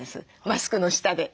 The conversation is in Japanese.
マスクの下で。